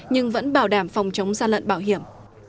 nhưng vẫn bảo đảm phòng chống gian lận bảo hiểm